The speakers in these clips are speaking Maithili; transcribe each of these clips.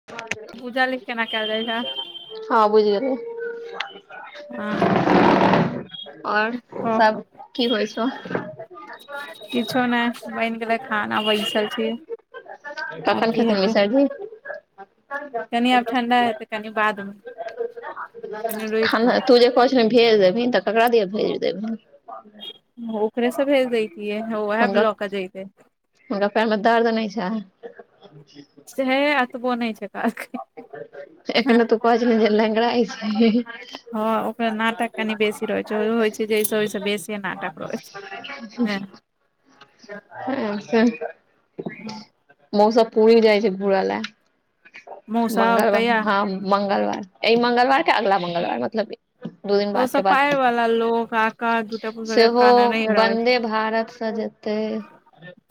[inaudible] बुझल अइ केना केएल जाइ छइ? हॅं बुझि गेलियै। और हँ सब की होइ छौ? किछो नै बैन गेलै खाना बैसल छी। आर कखन की खेथिन मिसरजी? कनी आब ठण्डा हेतै कनि बादमे। खाना तू जे कहै छलही भेज देबहींन त ककरा दिया भेज देबहीं। ओकरे से भेज दैतियै ह उहेए हुनका लऽ कऽ जइतै। हुनका पेएर मे दर्द नै छै। सेहेए एतबो नै छत। एखने तू कहै छलहिन जे लेंगड़ाइ छै ह। हॅं ओकरा नाटक कनि बेसी रहइ छै होइ छै जै से ओइसे बेसिये नाटक करै छै। आर सब माँ सब [inaudible] पूरी जाइ छै घुरऽ लेए। मौसब मंगलवार कहिया हाँ मंगलवार अइ मंगलवार के अगला मंगलवार मतलब कि दू दिन ओ बाद के सब बाद पाय वाला लोग आका दूटा पुसके सेहो कान नहि रहै छै बन्दे भारत स जे तै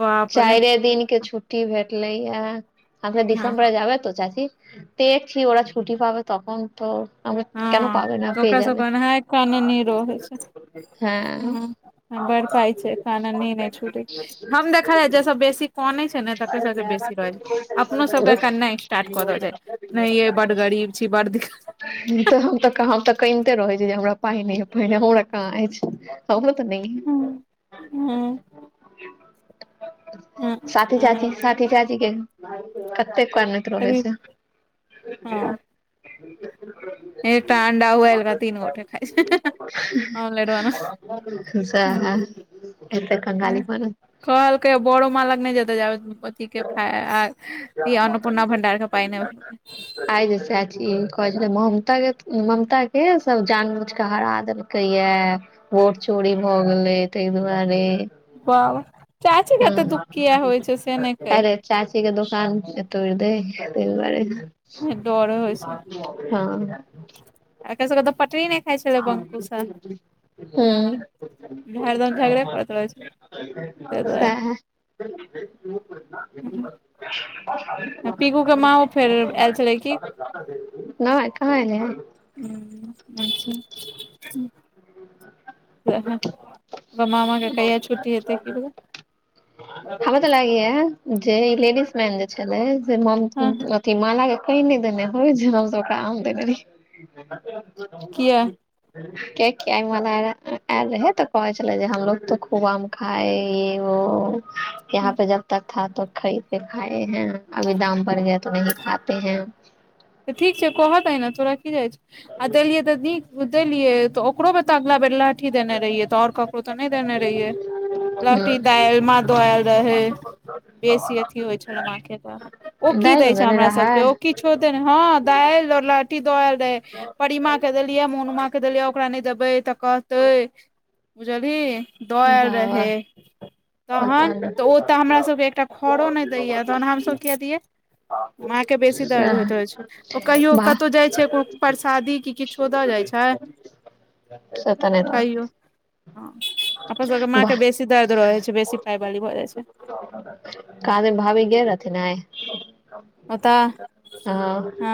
बाप रे चाइरे दिन के छुट ट्टी भेटलैये आ फेर हँ दिसम्बर जे आबै त चाची ते छुट्टी ओरा छुटी पाबत अपन। तऽ हमरा क पाब ने हँ पे ओकरा जा सब के ओनाहि कान नहि रहै छै हँ ह बड़ पाइ छै कानूनी नहि छूटे हम देखल जाइ जे सब बेसी कनै छै ने तकरो सबके बेसी रहै छै [inaudible] [inaudible] [unintelligible] नै ये बड्ड गरीब छी। बड्ड दिक्कत ई तऽ हम तऽ हम तऽ कैइनते रहै छी जे हमरा पाइ नै अय पाइ नय अय हमरा कहाँ अइछ। हमरो त नैइ। हूं - हुं- साती चाची ह साती चाची के कतेक कानैत रहै अभी छै। हँ एकटा अंडा उबाइलक तीन गोटे खाइ छै। ऑमलेट बनाके सैह एत्तै कंगाली पना कहलकै बरोमाँ लग नै जेतय जाबेत पति के फाय ई अन्नपूर्णा भंडारके पाइ नै आइ जे चाची कहै छलै, ममताके, ममता के सब जान बूझ के हरा देलक्- कैयैऽ बोट चोरी भऽ गेलै तै दुआरे। बाबा। चाची के एत्ते दुःख कियै होइ छै से हँ नय कैह? अरे चाची के दोकान नै तोइड़ दे, तै दुआरे। डर होइ छै हाँ। एकर सबकेत पटरी नै खाय छले बंकुशा, हूँ हाँ, हरदम झगड़े करैत रहै छै। ताहि दुआरे सैह। [unintelligible] पीकू के माँओ फेर आयल छलै की नै कहाँ एलैहें। [unintelligible] [inaudible] [unintelligible] कमामाके कहिया छुट्टी हेतै? की भेलौ? हमरा त लागैयैऽ जे इ लेडीजमैन जे छलै से मम हँ [unintelligible] ती माला के कैह नय देने होय जे हम सब ओकरा आम देने रहीयै। किया कियैकि आई माला ऐल रहय त कहय छलय हमलोग तऽ खूब आम खाए ये-वो, यहाँ पे जब [unintelligible] तऽ ठीक छै कह दही ने तोरा की जाइ छौ, आ देलियै तऽ नी- देलियै त ओकरो में तऽ अगिला बेर लहठी देने रहियै तऽ आओर ककरो तऽ नय देने रहियैऽ। लहठी ह दाइल मा दऽ ऐल रहैऽ। बेसी अथी होइ छलै मां के त ओ की दै दालि छै देने हमरा सबके। रहै ओ किछु होते न, हं दाइल, लहठी द ऐल रहै। परिमा के देलियै, मोनुमा के देलियै, ओकरा नय देबै तऽ कहतै बुझलही। द ऐल वाह वाह रहै। पता तहन। तऽ नहि ओ त हमरा सभके एकटा खरो नैय दैयैऽ तहन हमसभ कियै दियै? मां के बेसी दर्द सह होइत रहइ छै। ओ कहियो वाह कतौ जाइ छै कु- परसादी कि -कि छो द जाइ छैै से तऽ नहि कहियो? हं अपना सबके माँ वाह के बेसी दर्द रहैत छै बेसी पायवाली भऽ जाइ छै। [unintelligible] कहा देन भावी गेल रहथिन आय? ओतह? हँ-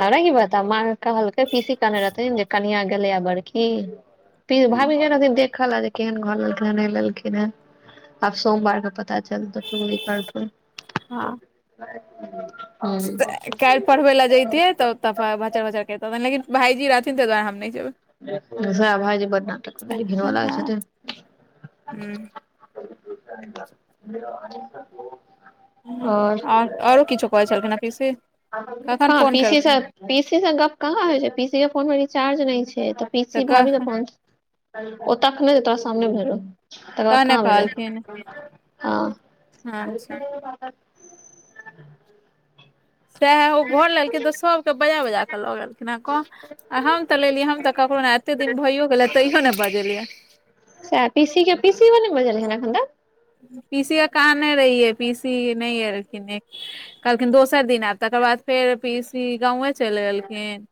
हमरा की पता, माँ के कहलकै पीसी कहने रहथिन जे कनिया गेलैयैऽ बड़की। पी-भाभी हँ गेल रहथिन देख [unintelligible] केहन घर लेलखिने नहि लेलखिने आब सोमवार के पता चल तऽ चुगली कर तु। काल्हि पढ़बै लए जेतिय तऽ तपा भचर भचर करतथिन लेकिन भायजी रहथिन ताहि दुआरे हम नहि जेबै। सा भायजी बर नाटक करैय छथिन धिनबऽ लगैय छथिन। [inaudible] आर आओर आरो किछो कहै छलखिन हैं पीसी। कखन कहाँ फोन पी सी केलखिन पी सी से गप कहाँ होइ छै पीसी के फोन मे रिचार्ज नहि छै। पी तऽ सी भाबी कह फोन ओ तखने जे तोरे सामने भेल रहो। तकर बाद तहने कहाँ भेलै कहलखिन हँ। अच्छा सएह ओ घर लेलखिन तऽ सभके बजा बजा कऽ लऽ गेलखिन हेँ कह आ हम तऽ लेलियै हम तऽ ककरो ने एते दिन भइयो गेले तैयो ने बजेलियै। से पीसी के पीसीयो ने बजेलखिन्ह हैं अखन तक। पीसी के कहने रहिए पीसी नहि एलखिन्ह एक कहलखिन दोसर दिन ऐब तकर बाद फेर पीसी गांवे चलि गेलखिन।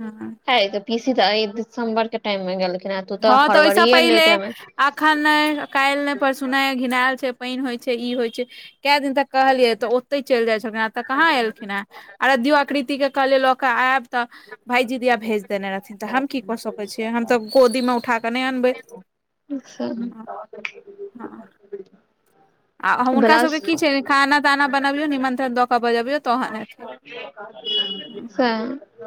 हुं। हैइ तऽ पीसी तऽ अइ दिसबर के टाइम मे गेलखिने हैं। हँ त ओई स पहेले अख अखन नहि काल्हि नहि परसु ने घिनायल छै पानि होइ छै ई होइ छै। क दिन तक कहलियै तऽ ओते चलि जाइत छलखिन हे एतऽ कहाँ एलखिन हैं। अरध्यो आकृति के कहलिये लऽ कऽ आयब तऽ भायजी दिया भेज देने रहथिन तऽ हम की कऽ सकैय छियै हम तऽ गोदी मे उठा कऽ नहि अनबैय। हँ उहू। आ हम हुनकासभके की छै खाना ताना बनबियौ निमन्त्रण दऽ कऽ बजबियौ तखन एथिन। से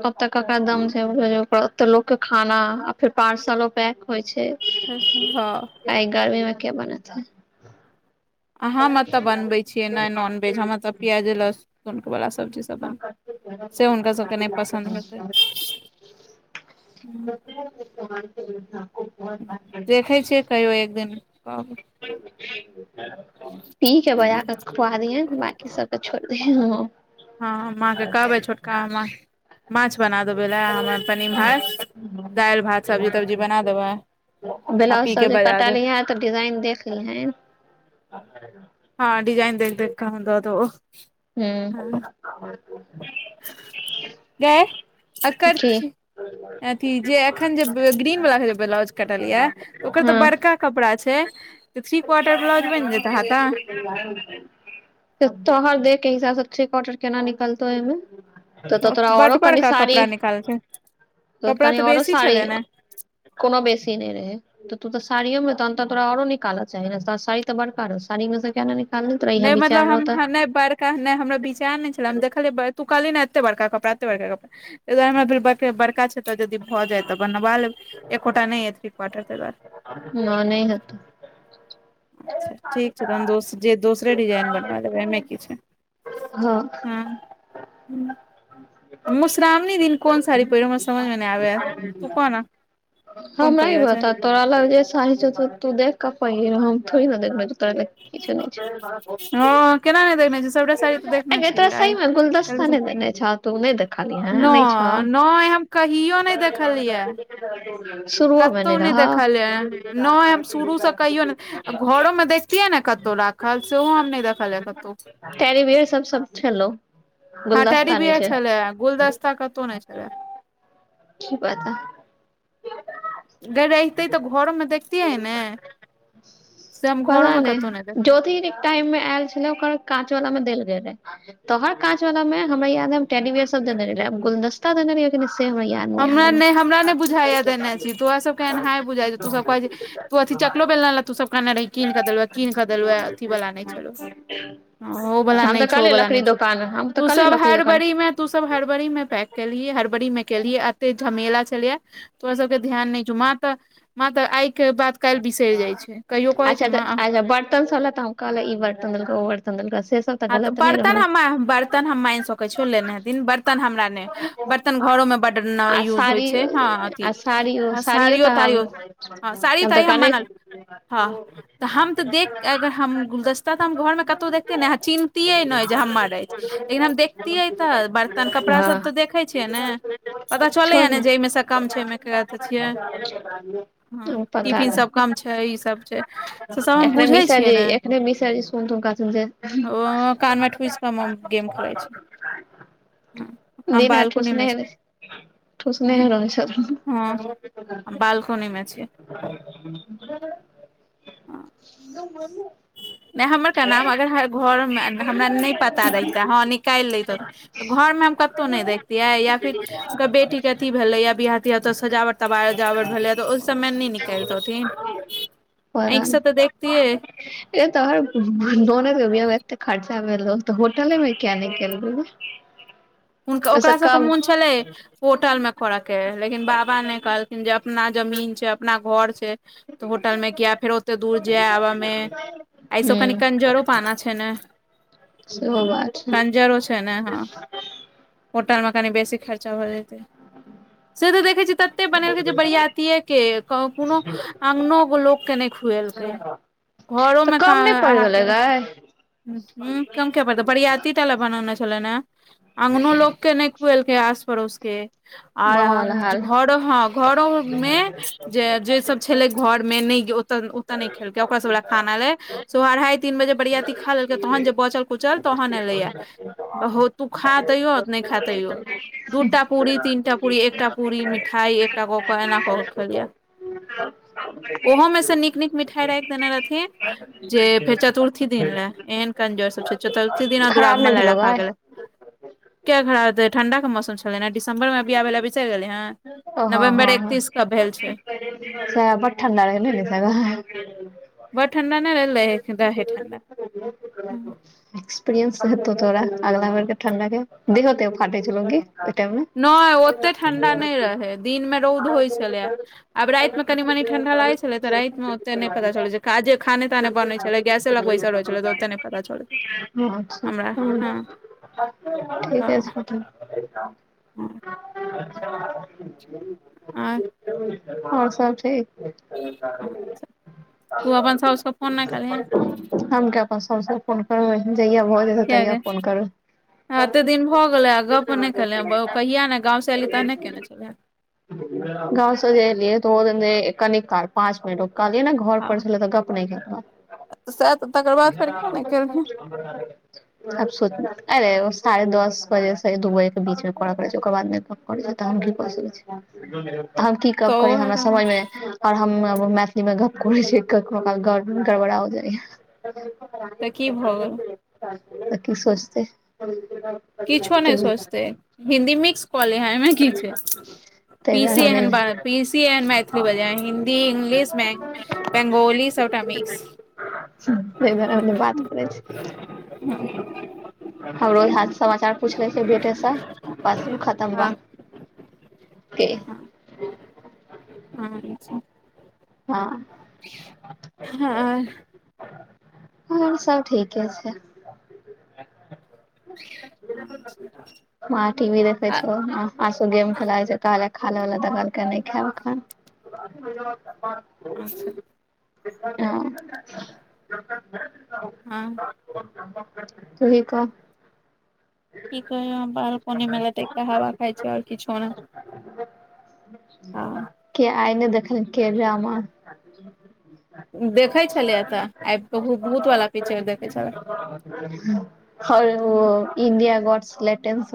अतेक कक्करा दम हँ छै भोजो करत। तऽ लोग के खाना आ फेर पार्सलो पैक होय छै। हँ। अइ गर्मीमे के बनेतइ। आ हम एतऽ बनबे छियै नय नॉनवेज हम अतऽ प्याज लहसुन बला सब्जी बन से हुनका सबके नहि पसन्द होयतय। देखै छियै कहियो एक दिन [unintelligible] पी के बजा ह क खुआ दिहेन बाकी सबके छोइर दही। हँ हम माँ के कहबै छोटका ममा के माछ बना देबै लए हम अपन इम्हर दाइल, भात, सब्जी तब्जी बना देबैय। ब्लाउज सब जे कटलही हैं तऽ डिजाइन देख लीहैन। हँ डिजाइन देख देख कऽ हम दऽ देबो। हूँ। गय एकर की थ्री अथी जे एखन जे ग्रीन वला जे ब्लाउज कटलिया ओकर तऽ हँ बड़का कपड़ा छै त थ्री क्वार्टर ब्लाउज बनि जेतय हाता। तोहर देह के हिसाबसँ थ्री क्वार्टर केना निकलतौ एहिमे। तऽ तऽ तोरा ओरो बड कनि बड़का साड़ी कपड़ा निकालल छै त कपड़ा कनी तऽ ओरो बेसी साड़ी छलै ने कोनो बेसी नै रहै। तऽ तूतऽ साड़ीयो मे तहन तऽ तोरा आरो निकाल चाही ने साड़ी तऽ बड़का रहो साड़ी मे से किये ने नि नहि मतलब हम हऽ नहि बड़का नहि हमरा विचार नहि छले हम देखलियै ब तू कह नऽ एते बड़का कपड़ा एते बड़का कपड़ा तैय दुआरै हमरा भेल बापरे बड़का छैय तऽ जदि भऽ जाय तऽ बनबा एकोटा नहि अए थ्री क्वार्टर तय दुआरे नै नहि हेतो अच्छा ठीक छै तहन दोस जे दोसरे डिजाइन बनवा लेबै एहिमे की छै हँ हूँ हँ आ मोश्रामणी दिन कोन साड़ी पर हमरा समझमे नहि आबै यै तू कहऽ ने कोन हमरा ई पहिरऽ छै बता तोरा लग जे साड़ी छऊ तऽ तू देख कऽ पहिड़ हमथोड़ी ने देखने छियो तोरा कि छउ नहि छउ हँ केना नहि देखने छी सबटा साड़ी तऽ ऐ देखने गै तोरा सही छीयय मे गुलदस्ता नहि देने छौ तू नहि देखलिही हैं नै नहि छौ नै हम कहियो नहि देखलियै शुरुओ मे कतौ नहि रहौ देखलिये नहि हम शुरू सऽ कहियौ ने आ घरोमे देख तिये ने कतौ राखल सेहो हम ने रखलिये कतौ टेरीबियर सब सब छलौ हँ गुलदस्ता नहि टेड़ीबीयर छै छलै यै गुलदस्ता कतौ नहि छलै की पता गई रहिते तऽ घरोमे देखतियै ने से हम घरोमे कतौ नहि देखब तैय मे ऐल छले ओकर काँच वाला मे देल गेल रहे तोहर काँच वाला में हमरा याद टेडीबेयर सब देने रहै आब गुलदसता देने रहिये की नऽ से हमरा याद आ हमरा रहल है नहि हमरा नहि बुझाइये देने छी तोरा सबके एनाहि बुझाइ छौ तू सब कहै छी तू अथी चकलोे बेलना तू सब कहने रही कीन कऽ देलुवै कीन कऽ देलुवै अथी वाल न नहि छलो हऽ ओ बला हम तऽ नहि छौ ओ कहलियै बला लकड़ी नहि छौ दोकान हम तऽ तू कहलियै सब लकड़ी दोकान हरबड़ी मे तू सब हरबरी मे पैक केलही हरबरी मे केलही अते झमेला छलैयै। तोरा सबके ध्यान नहि छौ माँ तऽ माँ तऽ आई के बात काल्हि बिसरि जाइ छै कहियो कहै छै अच्छा तऽ माँ हँ अच्छा बर्तन सबले तऽ हम कहले ई बर्तन देलको ओ बर्तन दलको सेे सब हँ तऽ गलत नहि बर्तन रहल हम माइ बर्तन हम माइन सकै छियौ लेने हेथिन बर्तन हमरा नहि बर्तन घरो मे बड नऽ आ यूज होए साड़ी छै हँ अथी आ साड़ियो हँ साड़ियो तऽ हम ताड़ियो हँ साड़ी तए तऽ हम कहने मानल हँ तऽ हम तऽ देख अगर हम गुलदस्ता तऽ हम घर मे कतौ देखते ने अह चिन्तियै नय जे हमर अइछ लेकिन हम देखतियै तऽ बर्तन कपड़ा सब हँ तऽ देखै छियै ने पता चलैय ने जे एहिमे से कम छै एहिमे के तऽ छियै हँ पता टिफिन सब नहि कम छै ईसब छै से सब हम बुझै छियै ने नहि मिसर जी सुनथुन कहथुन जे ओ कानमे ठुसि कऽ मोम गेम खेलाए छैय दिनभरी बालकोनी मे ठूसनेहे छी रहय छय ठुसनेहे हँ रहय छथुन हँ हम बालकोनी मे छी [unintelligible] नहि हमर कहनाम अगर हर घरमे हमरा नहि पता रहिते हँ निकालि लैतो तऽ घर मे हम कतौ नहि देखतियै या फिर कर बेटीके अथी भेलै या बियाह तियाह तऽ सजावट तबा -जावट भेलै तऽ ओहि सब मे नै निकैल तऽ थिन। [unintelligible] ऐंखसँ तऽ देखतिैयै। एक तऽ हर दऽ नै देबै एते खर्च। ताबे लोक तऽ होटले मे [unintelligible] हुनका ओहिसँ ओकरा सबके कम मोन छेल्लै होटल मे करऽ के लेकिन बाबा नै कहलखिन जब- अपना जमीन छै अपना घर छै। तऽ होटल मे किया फेरो ओते दूर जेएय [unintelligible] मे एहि सब हूँ कनी कंजरो पाना छै ने। सेहो बात छै कंजरो छै ने हँ। [unintelligible] होटल में कनि बेसी खर्चा भऽ जेतै से तऽ देखेै छियै तते बनेलकै जे बरियातिये- के कोनो अंगनो के लोक के नै खुएलकै घरो तऽ मे कम नहि कहादिन पड़ि आहाँ गेलै के। गै हूँ कम किए पड़तै बड़ियातीटा लेए बनेने छेलै ने। अंगनो लोक के नै खुएलकै आस पड़ोस के- आर मामा आहाँ वाला हाल घरो हँ घरो मे जे जे सब छेलेै घर मे नै ओ- ओतऽ ओतऽ नै खेलकै ओकरा सब लेए खाना एलेै सुबह अढ़ाई तीन बजे बढ़िया। ती खा लेलकै तहन जे बचल कुचल तहन एलेैया हौ तू खा तैयो नै खा तैयो। दूटा पूरी तीनटा पूरी एकटा पूरी मिठाई एकटा कऽ कऽ एना कऽ क खेलियै ये। ओहो में से नीक नीक मिठाई रैख देने रहथिन जे फेर चतुर्थी। दिन लेए एहन कंजोर सब छै चतुर्थी दिना खराब दुरागमन नहि लेए भेलौ राखा गै गेलै। किये खराब हेतै ठण्डा के मौसम छै। छलैन हेंँ दिसम्बर मे बियाह भेलै बिसैर गेलै हँ नवम्बर एकतीस के भेल छै। सेएहे बड़ ठण्डा रहै नै [unintelligible] बड़ ठण्डा नै रहललै रहै ठण्डा। एक्सपीरियंस हेतौ तोरा अगलाबेर के ठण्डा के देहो के फाटै छेल्लौ की ओय टाइम मे? नहि ओते ठंडा नहि रहै दिन मे रौद होइ छलै आब राति मे कनि मनी ठंडा लागै [unintelligible] [unintelligible] छलै तऽ राति मे ओते नहि अच्छा पता चलै छै काजे खाने ताने बनै छलै गैसे लग बैसल रहै छलै तऽ ओते नहि पता चलै हमरा हँ हूँ ठीके छौ। अच्छा अ और सब ठीक तू अपन सौस के फोन नै केलहीन। हम किये अपन सौस फोन करबै जहिया भोज- किया ने आते दिन भ गेलै आ गप नेै केलें बह- कहिया ने गाँव सँ एली तहने केने छेलैँ। गाँव सँ जे एलियै तऽ ओ [unintelligible] कनिक काल पाँच मिनट। कहलियैने घर पर छेलै तऽ गप नै केलक। सैह तकर बाद फेर किया नै केलखिन। [inaudible] अब सोच अरे साढ़े दस बजे सँ दू बजे के बीचलमे करके रहै छै ओकर बाद मे- [unintelligible] हम कि तऽ गप करियै ओहे हमरा रहै समझमे- और हम मै-मैथिली मे गप्प करेै छियै ककरो गड़बड़ा ओ जाइया। तऽ तऽ की भऽ गेल कि सोचतै। किछो नै सोचतेै दुआरे हिन्दी मिक्स कऽ लिहे एयमे कि छै। तै दुआरे हम नै पीसी एहन मैथिली बजैहीं हिन्दी, इंग्लिश, बैंग बैंगोली सबटा मिक्स हुं तै दुआरे हम नै बात करै छी हमरो ओझाज समाचार पूछलैछै बेटेस बस ऊ खतम हँ बात के अँच्छा हाँ हॅंऽ और सब ठीके छै। [unintelligible] मां टी वी देखै छौ आशु गेम खेलाइ छौ कहलियै खा लेब लै त कहलकै नै खेब एखन [unintelligible] अच्छा हॅं [unintelligible] हॅं तूहि कह कि कहियौ हम बालकोनी मे लटैक क हावा खाइ छी और किछो नै। कियै आइ नै देखलही केड्रामा? [unintelligible] देखै छलैयात आइबक भू भूत बला पिक्चर देखै छलै। हौर ओ इंडिया गोटस लै टेनसन